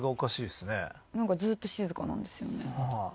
なんかずーっと静かなんですよね。